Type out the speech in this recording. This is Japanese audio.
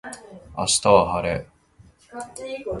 明日は晴れ